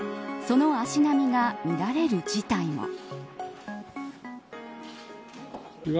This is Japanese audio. その足並みが乱れる事態も。